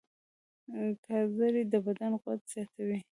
ګازرې د بدن قوت زیاتوي.